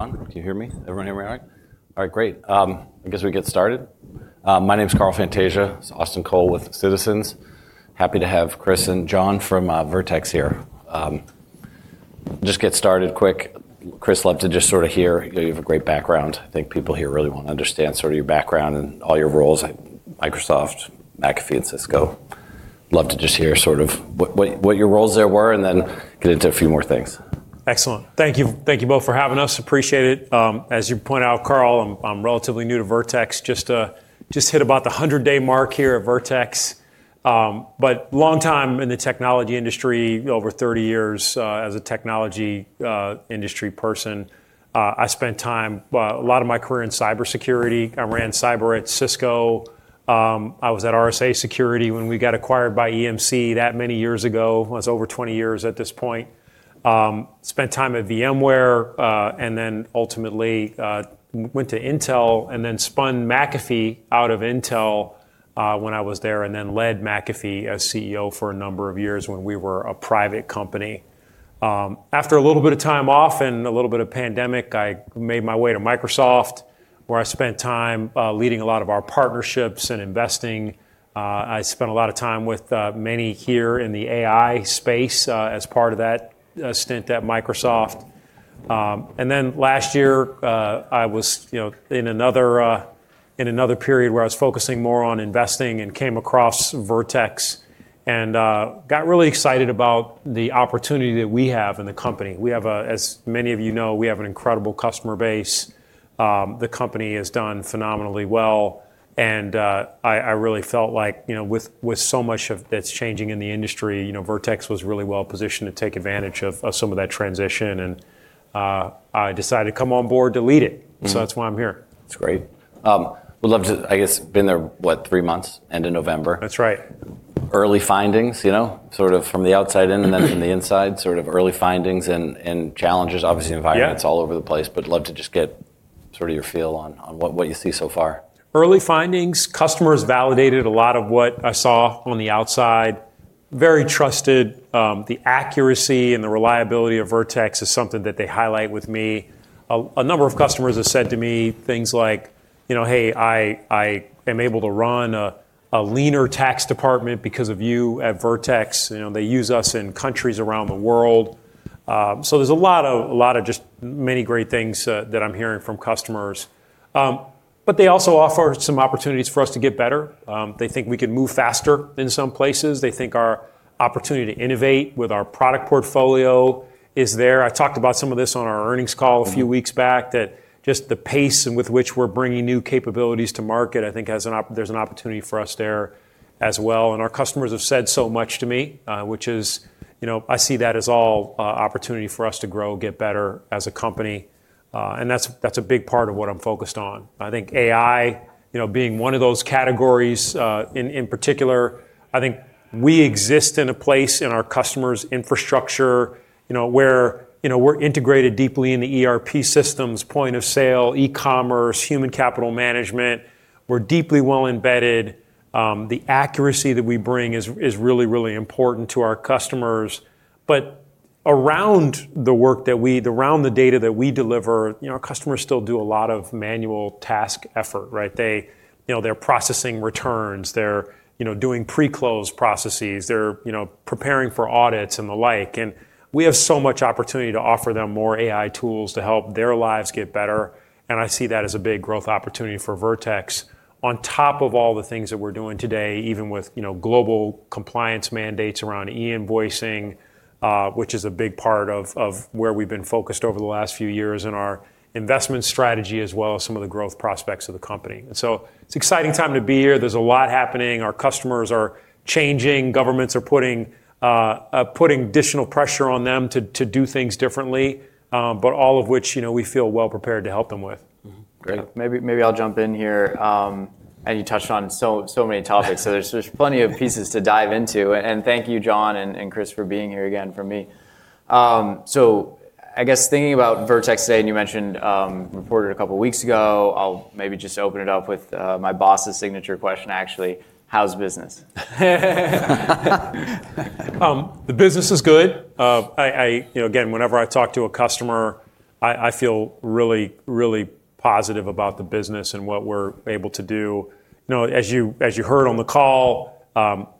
Can you hear me? Everyone hear me all right? All right, great. I guess we get started. My name's Carl Fantasia. This is Austin Cole with Citizens. Happy to have Chris and John from Vertex here. Just get started quick. Chris, love to just sort of hear. You have a great background. I think people here really wanna understand sort of your background and all your roles at Microsoft, McAfee, and Cisco. Love to just hear sort of what your roles there were, and then get into a few more things. Excellent. Thank you. Thank you both for having us. Appreciate it. As you point out, Carl, I'm relatively new to Vertex. Just hit about the 100-day mark here at Vertex. But long time in the technology industry, over 30 years as a technology industry person. I spent time a lot of my career in cybersecurity. I ran cyber at Cisco. I was at RSA Security when we got acquired by EMC that many years ago. It's over 20 years at this point. Spent time at VMware, and then ultimately went to Intel and then spun McAfee out of Intel when I was there, and then led McAfee as CEO for a number of years when we were a private company. After a little bit of time off and a little bit of pandemic, I made my way to Microsoft, where I spent time leading a lot of our partnerships and investing. I spent a lot of time with many here in the AI space as part of that stint at Microsoft. Last year, I was, you know, in another, in another period where I was focusing more on investing and came across Vertex and got really excited about the opportunity that we have in the company. As many of you know, we have an incredible customer base. The company has done phenomenally well, I really felt like, you know, with so much that's changing in the industry, you know, Vertex was really well positioned to take advantage of some of that transition. I decided to come on board to lead it. Mm-hmm. That's why I'm here. That's great. I guess, been there, what? three months, end of November. That's right. Early findings, you know. Sort of from the outside in and then from the inside, sort of early findings and challenges. Yeah. Environments all over the place, but love to just get sort of your feel on what you see so far. Early findings, customers validated a lot of what I saw on the outside. Very trusted. The accuracy and the reliability of Vertex is something that they highlight with me. A number of customers have said to me things like, you know, "Hey, I am able to run a leaner tax department because of you at Vertex." You know, they use us in countries around the world. There's a lot of, a lot of just many great things that I'm hearing from customers. They also offer some opportunities for us to get better. They think we can move faster in some places. They think our opportunity to innovate with our product portfolio is there. I talked about some of this on our earnings call. Mm-hmm. A few weeks back, that just the pace and with which we're bringing new capabilities to market, I think has there's an opportunity for us there as well. Our customers have said so much to me, which is, you know, I see that as all opportunity for us to grow, get better as a company. That's, that's a big part of what I'm focused on. I think AI, you know, being one of those categories, in particular. I think we exist in a place in our customers' infrastructure, you know, where, you know, we're integrated deeply in the ERP systems, point of sale, e-commerce, human capital management. We're deeply well embedded. The accuracy that we bring is really, really important to our customers. Around the work that around the data that we deliver, you know, our customers still do a lot of manual task effort, right? They, you know, they're processing returns. They're, you know, doing pre-close processes. They're, you know, preparing for audits and the like. We have so much opportunity to offer them more AI tools to help their lives get better, and I see that as a big growth opportunity for Vertex. On top of all the things that we're doing today, even with, you know, global compliance mandates around e-invoicing, which is a big part of where we've been focused over the last few years in our investment strategy, as well as some of the growth prospects of the company. It's exciting time to be here. There's a lot happening. Our customers are changing. Governments are putting additional pressure on them to do things differently. All of which, you know, we feel well prepared to help them with. Mm-hmm. Great. Maybe I'll jump in here. You touched on so many topics, so there's plenty of pieces to dive into. Thank you, John and Chris, for being here again for me. I guess thinking about Vertex today, and you mentioned, reported a couple weeks ago, I'll maybe just open it up with my boss's signature question, actually. How's business? The business is good. I, you know, again, whenever I talk to a customer, I feel really, really positive about the business and what we're able to do. You know, as you, as you heard on the call,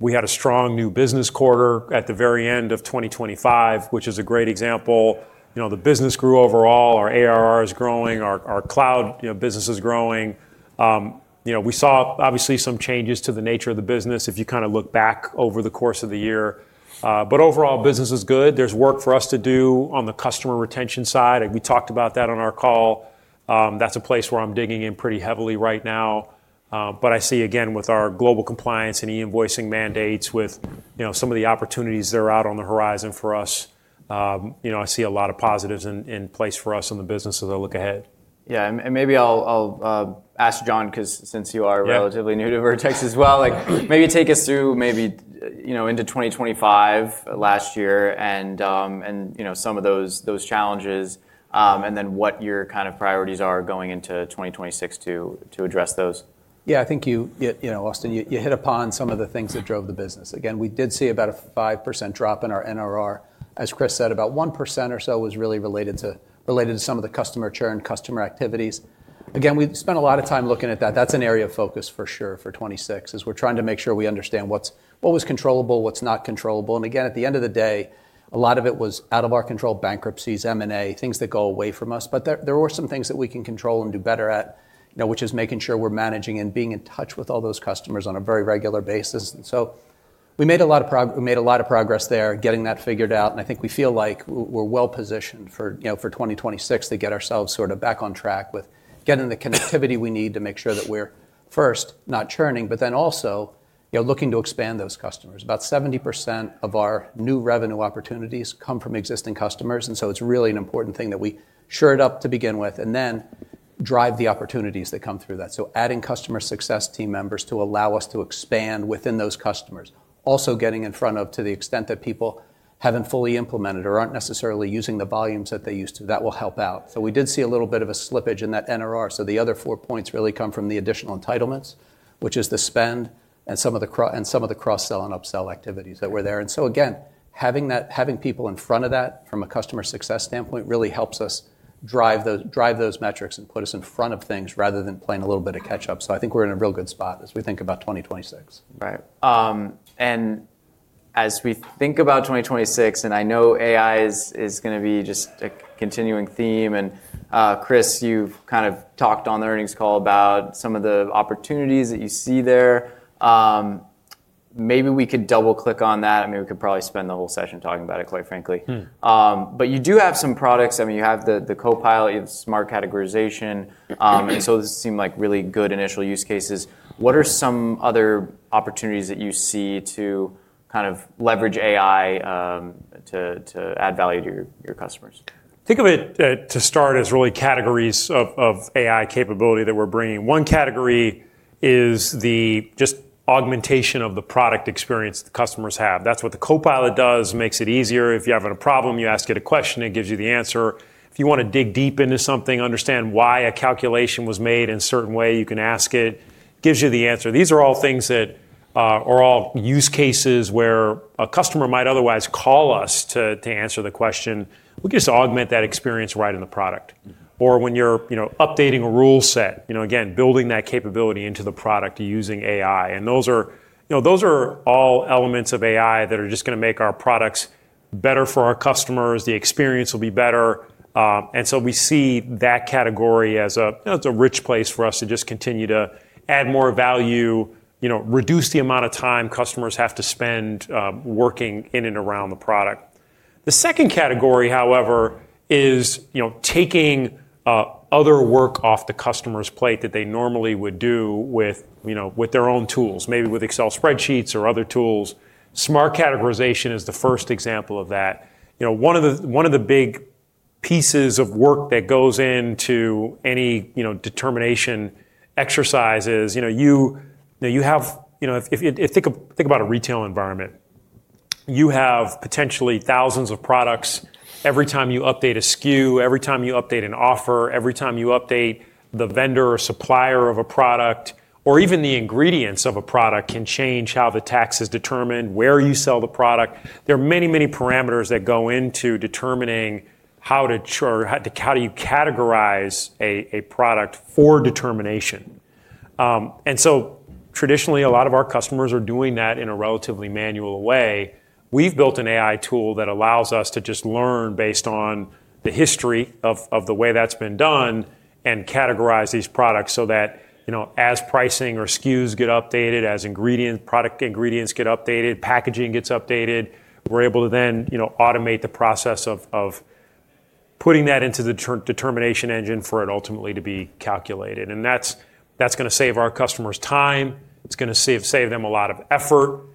we had a strong new business quarter at the very end of 2025, which is a great example. You know, the business grew overall. Our ARR is growing. Our cloud, you know, business is growing. You know, we saw obviously some changes to the nature of the business if you kinda look back over the course of the year. Overall business is good. There's work for us to do on the customer retention side. We talked about that on our call. That's a place where I'm digging in pretty heavily right now. I see again, with our global compliance and e-invoicing mandates, with, you know, some of the opportunities that are out on the horizon for us, you know, I see a lot of positives in place for us in the business as I look ahead. Yeah. maybe I'll ask John, 'cause since you. Yeah. relatively new to Vertex as well, like maybe take us through maybe, you know, into 2025, last year and, you know, some of those challenges, and then what your kind of priorities are going into 2026 to address those. Yeah, I think you know, Austin, you hit upon some of the things that drove the business. We did see about a 5% drop in our NRR. As Chris said, about 1% or so was really related to some of the customer churn, customer activities. We spent a lot of time looking at that. That's an area of focus for sure for 26, as we're trying to make sure we understand what was controllable, what's not controllable. At the end of the day, a lot of it was out of our control, bankruptcies, M&A, things that go away from us. There were some things that we can control and do better at, you know, which is making sure we're managing and being in touch with all those customers on a very regular basis. We made a lot of progress there, getting that figured out, and I think we feel like we're well-positioned for, you know, for 2026 to get ourselves sorta back on track with getting the connectivity we need to make sure that we're first not churning, but then also, you know, looking to expand those customers. About 70% of our new revenue opportunities come from existing customers, and so it's really an important thing that we shore it up to begin with and then drive the opportunities that come through that. Adding customer success team members to allow us to expand within those customers. Also getting in front of to the extent that people haven't fully implemented or aren't necessarily using the volumes that they used to, that will help out. We did see a little bit of a slippage in that NRR, so the other four points really come from the additional entitlements, which is the spend and some of the cross-sell and upsell activities that were there. Again, having that, having people in front of that from a customer success standpoint really helps us drive those metrics and put us in front of things rather than playing a little bit of catch-up. I think we're in a real good spot as we think about 2026. Right. As we think about 2026, and I know AI is going to be just a continuing theme, and Chris, you've kind of talked on the earnings call about some of the opportunities that you see there. Maybe we could double-click on that. I mean, we could probably spend the whole session talking about it, quite frankly. Mm. You do have some products. I mean, you have the Copilot, you have Smart Categorization. Those seem like really good initial use cases. What are some other opportunities that you see to kind of leverage AI to add value to your customers? Think of it to start as really categories of AI capability that we're bringing. One category is the just augmentation of the product experience the customers have. That's what the Copilot does. Makes it easier. If you're having a problem, you ask it a question, it gives you the answer. If you wanna dig deep into something, understand why a calculation was made in a certain way, you can ask it. Gives you the answer. These are all things that are all use cases where a customer might otherwise call us to answer the question. We can just augment that experience right in the product. Or when you're, you know, updating a rule set, you know, again, building that capability into the product using AI. Those are, you know, those are all elements of AI that are just gonna make our products better for our customers. The experience will be better, and so we see that category as a, you know, it's a rich place for us to just continue to add more value, you know, reduce the amount of time customers have to spend, working in and around the product. The second category, however, is, you know, taking other work off the customer's plate that they normally would do with, you know, with their own tools, maybe with Excel spreadsheets or other tools. Smart Categorization is the first example of that. You know, one of the, one of the big pieces of work that goes into any, you know, determination exercise is, you know, you have... You know, you think about a retail environment. You have potentially thousands of products. Every time you update a SKU, every time you update an offer, every time you update the vendor or supplier of a product, or even the ingredients of a product can change how the tax is determined, where you sell the product. There are many parameters that go into determining how to categorize a product for determination. Traditionally, a lot of our customers are doing that in a relatively manual way. We've built an AI tool that allows us to just learn based on the history of the way that's been done and categorize these products so that, you know, as pricing or SKUs get updated, as ingredient, product ingredients get updated, packaging gets updated, we're able to then, you know, automate the process of putting that into the determination engine for it ultimately to be calculated. That's gonna save our customers time, it's gonna save them a lot of effort,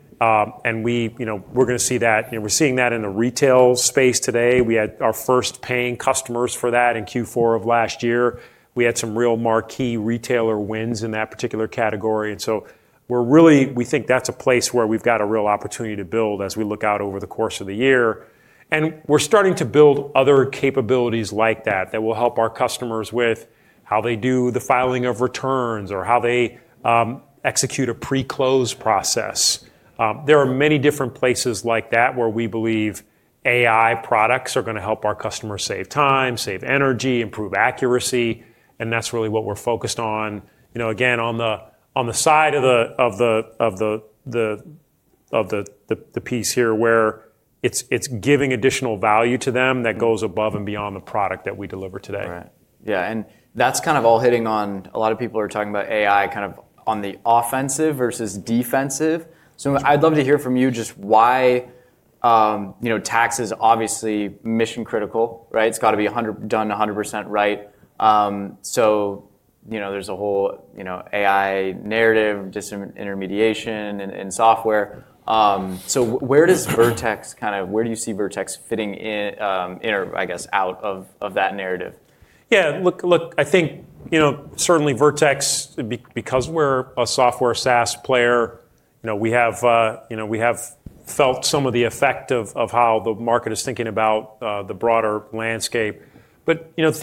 and we, you know, we're gonna see that, you know, we're seeing that in the retail space today. We had our first paying customers for that in Q4 of last year. We had some real marquee retailer wins in that particular category. We think that's a place where we've got a real opportunity to build as we look out over the course of the year. We're starting to build other capabilities like that will help our customers with how they do the filing of returns or how they execute a pre-close process. There are many different places like that where we believe AI products are gonna help our customers save time, save energy, improve accuracy, and that's really what we're focused on. You know, again, on the side of the piece here where it's giving additional value to them that goes above and beyond the product that we deliver today. Right. Yeah, that's kind of all hitting on a lot of people are talking about AI kind of on the offensive versus defensive. I'd love to hear from you just why, you know, tax is obviously mission-critical, right? It's gotta be done 100% right. You know, there's a whole, you know, AI narrative, disintermediation in software. Where does Vertex kind of-- where do you see Vertex fitting in or, I guess, out of that narrative? Yeah. Look, I think, you know, certainly Vertex, because we're a software SaaS player, we have felt some of the effect of how the market is thinking about the broader landscape. You know, if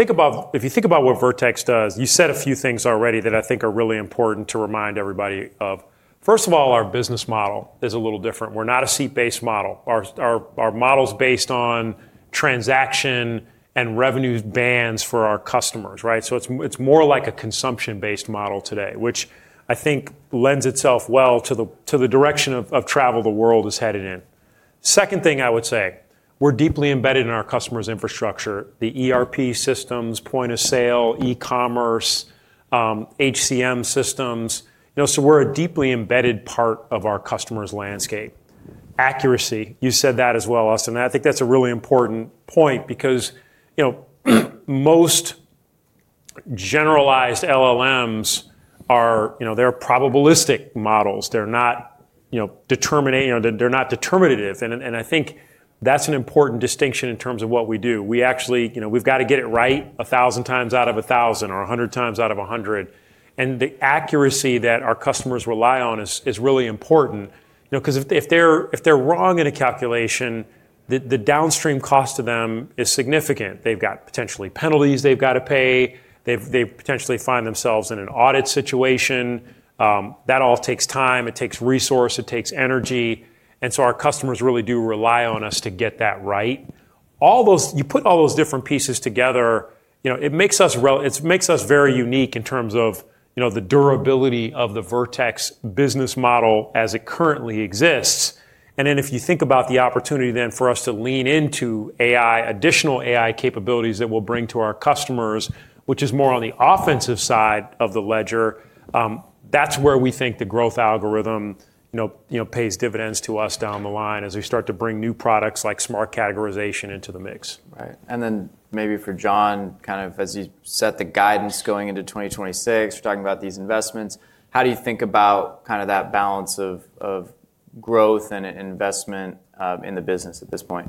you think about what Vertex does, you said a few things already that I think are really important to remind everybody of. First of all, our business model is a little different. We're not a seat-based model. Our model is based on transaction and revenue bands for our customers, right? It's more like a consumption-based model today, which I think lends itself well to the direction of travel the world is headed in. Second thing I would say, we're deeply embedded in our customers' infrastructure, the ERP systems, point of sale, e-commerce, HCM systems. You know, so we're a deeply embedded part of our customers' landscape. Accuracy, you said that as well, Austin. I think that's a really important point because, you know, most generalized LLMs are, you know, they're probabilistic models. They're not, you know, determinate, you know, they're not determinative. I think that's an important distinction in terms of what we do. We actually, you know, we've got to get it right 1,000 times out of 1,000 or 100 times out of 100. The accuracy that our customers rely on is really important. You know, 'cause if they're, if they're wrong in a calculation, the downstream cost to them is significant. They've got potentially penalties they've gotta pay. They potentially find themselves in an audit situation. That all takes time, it takes resource, it takes energy. Our customers really do rely on us to get that right. You put all those different pieces together, you know, it makes us very unique in terms of, you know, the durability of the Vertex business model as it currently exists. If you think about the opportunity then for us to lean into AI, additional AI capabilities that we'll bring to our customers, which is more on the offensive side of the ledger, that's where we think the growth algorithm, you know, pays dividends to us down the line as we start to bring new products like Smart Categorization into the mix. Right. Then maybe for John, kind of as you set the guidance going into 2026, we're talking about these investments. How do you think about kind of that balance of growth and investment in the business at this point?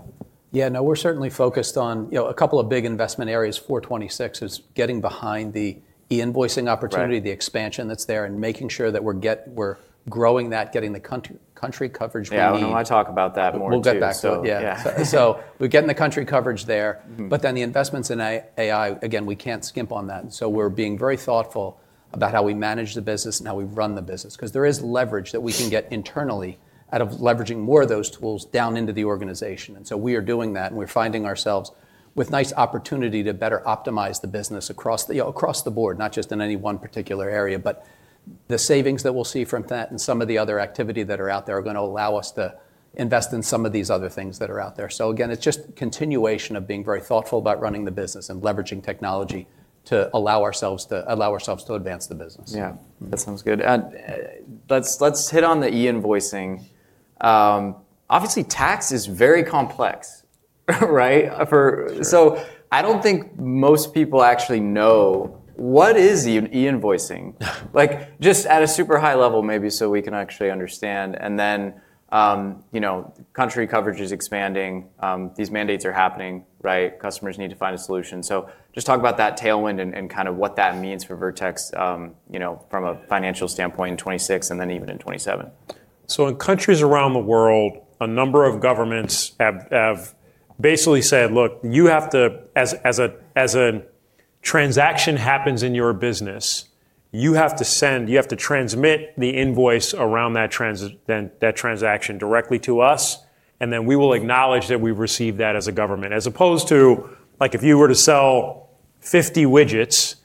Yeah. No, we're certainly focused on, you know, a couple of big investment areas. 426 is getting behind the e-invoicing opportunity. Right. the expansion that's there, and making sure that we're growing that, getting the country coverage we need. Yeah. I wanna talk about that more too. We'll get back to it. Yeah. Yeah. We're getting the country coverage there. Mm-hmm. The investments in AI, again, we can't skimp on that. We're being very thoughtful about how we manage the business and how we run the business. 'Cause there is leverage that we can get internally out of leveraging more of those tools down into the organization. We are doing that, and we're finding ourselves with nice opportunity to better optimize the business across the, you know, across the board, not just in any one particular area. The savings that we'll see from that and some of the other activity that are out there are gonna allow us to invest in some of these other things that are out there. Again, it's just continuation of being very thoughtful about running the business and leveraging technology to allow ourselves to advance the business. Yeah. That sounds good. Let's hit on the e-invoicing. Obviously, tax is very complex, right? Sure. I don't think most people actually know what is e-invoicing. Just at a super high level, maybe so we can actually understand. You know, country coverage is expanding, these mandates are happening, right? Customers need to find a solution. Just talk about that tailwind and kind of what that means for Vertex, you know, from a financial standpoint in 2026 and then even in 2027. In countries around the world, a number of governments have basically said, "Look, you have to, as a transaction happens in your business, you have to transmit the invoice around that transaction directly to us, and then we will acknowledge that we've received that as a government." As opposed to, like, if you were to sell 50 widgets, and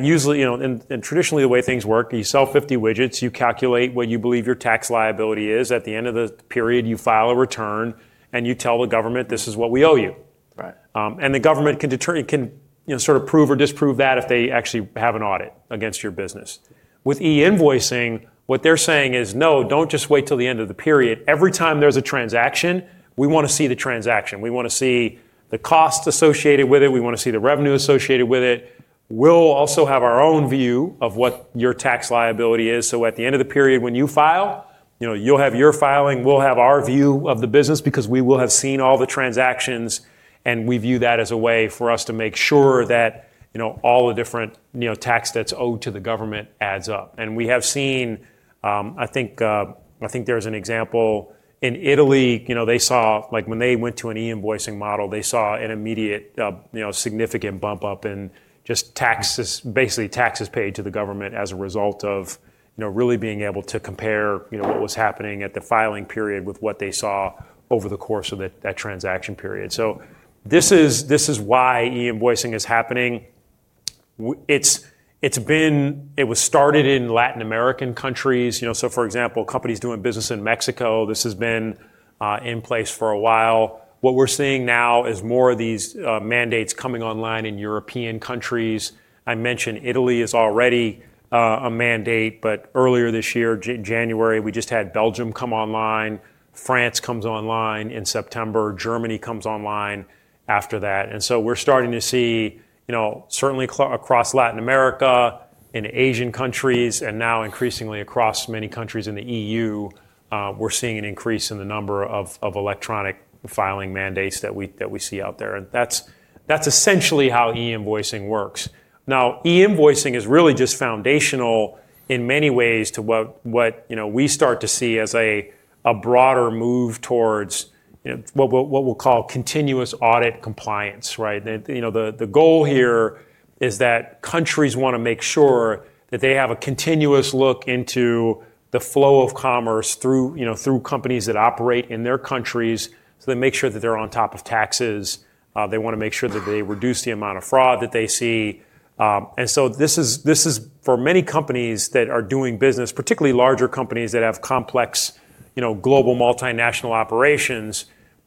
usually, you know, and traditionally the way things work, you sell 50 widgets, you calculate what you believe your tax liability is. At the end of the period, you file a return, and you tell the government, "This is what we owe you. Right. The government can, you know, sort of prove or disprove that if they actually have an audit against your business. With e-invoicing, what they're saying is, "No, don't just wait till the end of the period. Every time there's a transaction, we wanna see the transaction. We wanna see the cost associated with it. We wanna see the revenue associated with it. We'll also have our own view of what your tax liability is. At the end of the period when you file, you know, you'll have your filing, we'll have our view of the business because we will have seen all the transactions, and we view that as a way for us to make sure that, you know, all the different, you know, tax that's owed to the government adds up. We have seen, I think, I think there's an example in Italy. You know, Like, when they went to an e-invoicing model, they saw an immediate, you know, significant bump up in just taxes, basically taxes paid to the government as a result of, you know, really being able to compare, you know, what was happening at the filing period with what they saw over the course of that transaction period. This is why e-invoicing is happening. It's, it's been. It was started in Latin American countries. You know, for example, companies doing business in Mexico, this has been in place for a while. What we're seeing now is more of these mandates coming online in European countries. I mentioned Italy is already a mandate. Earlier this year, January, we just had Belgium come online. France comes online in September. Germany comes online after that. We're starting to see, you know, certainly across Latin America, in Asian countries, and now increasingly across many countries in the EU. We're seeing an increase in the number of electronic filing mandates that we see out there. That's essentially how e-invoicing works. E-invoicing is really just foundational in many ways to what, you know, we start to see as a broader move towards, you know, what we'll call continuous audit compliance, right. You know, the goal here is that countries wanna make sure that they have a continuous look into the flow of commerce through, you know, through companies that operate in their countries, so they make sure that they're on top of taxes. They wanna make sure that they reduce the amount of fraud that they see. This is for many companies that are doing business, particularly larger companies that have complex, you know, global multinational operations,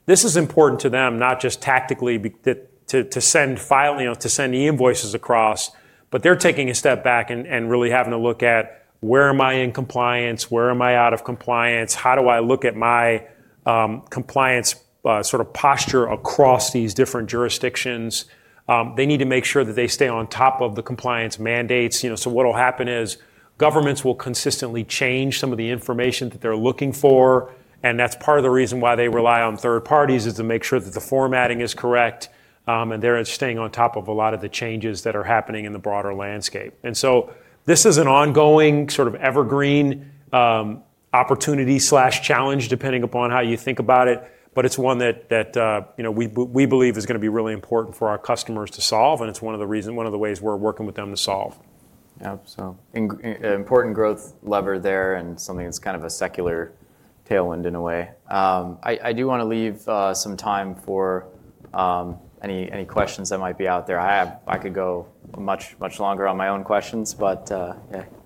this is important to them, not just tactically that to send file, you know, to send e-invoices across. They're taking a step back and really having a look at where am I in compliance, where am I out of compliance, how do I look at my, compliance, sort of posture across these different jurisdictions? They need to make sure that they stay on top of the compliance mandates, you know. What'll happen is governments will consistently change some of the information that they're looking for, and that's part of the reason why they rely on third parties, is to make sure that the formatting is correct, and they're staying on top of a lot of the changes that are happening in the broader landscape. This is an ongoing, sort of evergreen, opportunity/challenge, depending upon how you think about it. it's one that, you know, we believe is gonna be really important for our customers to solve, and it's one of the ways we're working with them to solve. Important growth lever there and something that's kind of a secular tailwind in a way. I do wanna leave some time for any questions that might be out there. I could go much, much longer on my own questions, yeah.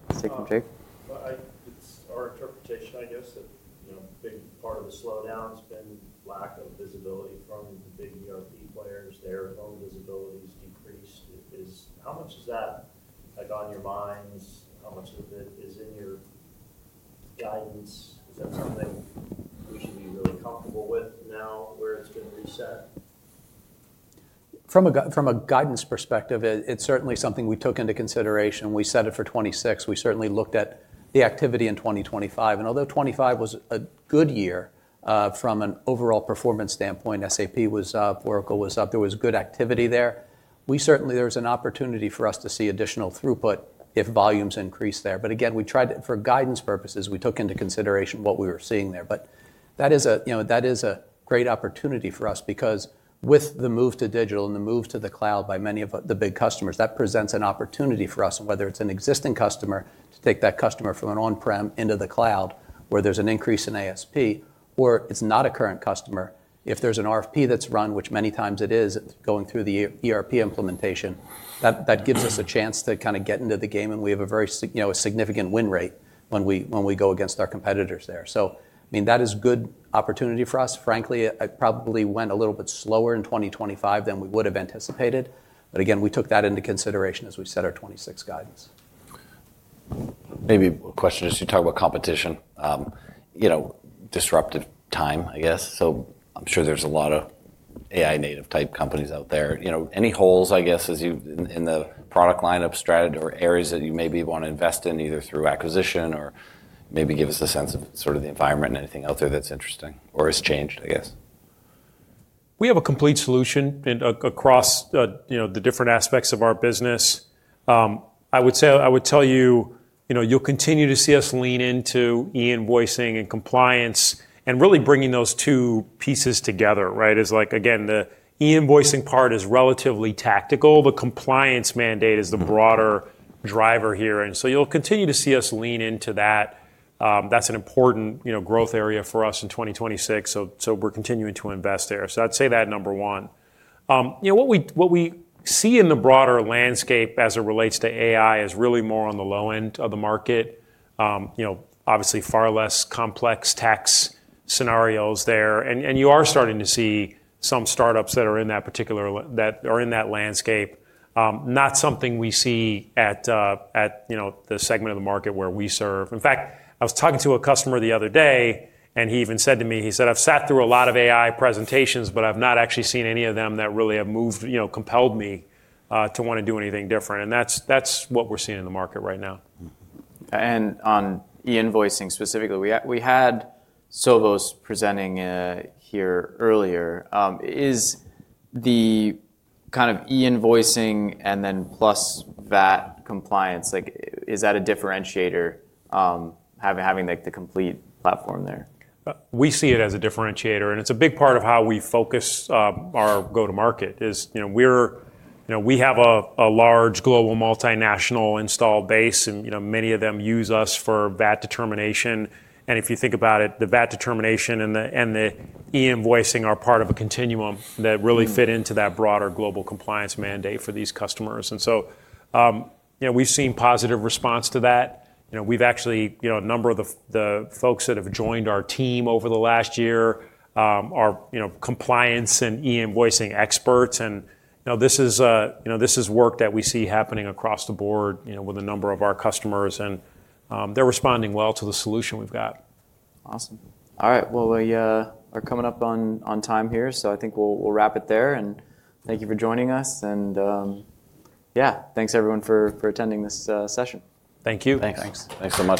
Let's take from Jake. Well, it's our interpretation, I guess, that, you know, a big part of the slowdown's been lack of visibility from the big ERP players. Their own visibility's decreased. How much is that, like, on your minds? How much of it is in your guidance? Is that something we should be really comfortable with now where it's been reset? From a guidance perspective, it's certainly something we took into consideration when we set it for 26. We certainly looked at the activity in 2025. Although 25 was a good year, from an overall performance standpoint, SAP was up, Oracle was up, there was good activity there. We certainly There was an opportunity for us to see additional throughput if volumes increased there. Again, we tried to For guidance purposes, we took into consideration what we were seeing there. That is a, you know, that is a great opportunity for us because with the move to digital and the move to the cloud by many of the big customers, that presents an opportunity for us, whether it's an existing customer, to take that customer from an on-prem into the cloud, where there's an increase in ASP. Where it's not a current customer, if there's an RFP that's run, which many times it is, going through the ERP implementation, that gives us a chance to kinda get into the game, and we have a very you know, a significant win rate when we go against our competitors there. I mean, that is good opportunity for us. Frankly, it probably went a little bit slower in 2025 than we would have anticipated. Again, we took that into consideration as we set our 2026 guidance. Maybe a question, as you talk about competition, you know, disruptive time, I guess. I'm sure there's a lot of AI native type companies out there. You know, any holes, I guess, in the product lineup strata or areas that you maybe wanna invest in, either through acquisition or maybe give us a sense of sort of the environment and anything out there that's interesting or has changed, I guess? We have a complete solution and across, you know, the different aspects of our business. I would say, I would tell you know, you'll continue to see us lean into e-invoicing and compliance and really bringing those two pieces together, right? It's like, again, the e-invoicing part is relatively tactical. The compliance mandate is the broader driver here. You'll continue to see us lean into that. That's an important, you know, growth area for us in 2026. So we're continuing to invest there. I'd say that number one. You know, what we see in the broader landscape as it relates to AI is really more on the low end of the market. You know, obviously far less complex tax scenarios there. You are starting to see some startups that are in that particular that are in that landscape. Not something we see at, you know, the segment of the market where we serve. In fact, I was talking to a customer the other day, and he even said to me, he said, "I've sat through a lot of AI presentations, but I've not actually seen any of them that really have moved, you know, compelled me, to wanna do anything different." That's what we're seeing in the market right now. On e-invoicing specifically, we had Sovos presenting here earlier. Is the kind of e-invoicing and then plus that compliance, like, is that a differentiator, having, like, the complete platform there? We see it as a differentiator, and it's a big part of how we focus our go-to-market, is, you know, we're, you know, we have a large global multinational installed base and, you know, many of them use us for VAT determination. If you think about it, the VAT determination and the e-invoicing are part of a continuum that really fit into that broader global compliance mandate for these customers. You know, we've seen positive response to that. You know, we've actually, you know, a number of the folks that have joined our team over the last year are, you know, compliance and e-invoicing experts. You know, this is, you know, this is work that we see happening across the board, you know, with a number of our customers and they're responding well to the solution we've got. Awesome. All right. Well, we are coming up on time here, so I think we'll wrap it there. Thank you for joining us and, yeah, thanks everyone for attending this session. Thank you. Thanks. Thanks. Thanks so much.